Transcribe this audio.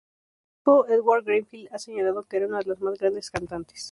El crítico Edward Greenfield ha señalado que “Era una de las más grandes cantantes.